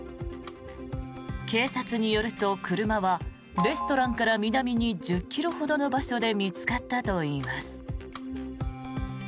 警察によると車はレストランから南に１０ｋｍほどの場所で見つかったといいます。